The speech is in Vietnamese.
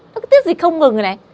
nó cứ tiết dịch không ngừng rồi này